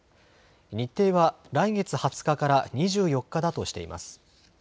日程は来月２０日から２４日だとしています。